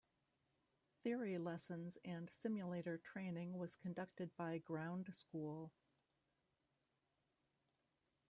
Theory lessons and simulator training was conducted by "Ground School".